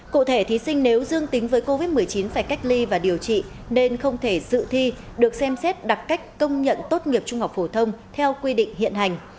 cụ thể thí sinh nếu dương tính với covid một mươi chín phải cách ly và điều trị nên không thể dự thi được xem xét đặc cách công nhận tốt nghiệp trung học phổ thông theo quy định hiện hành